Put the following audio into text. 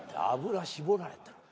油絞られた。